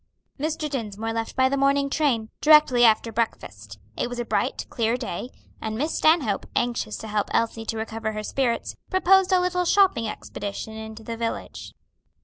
Mr. Dinsmore left by the morning train, directly after breakfast. It was a bright, clear day, and Miss Stanhope, anxious to help Elsie to recover her spirits, proposed a little shopping expedition into the village.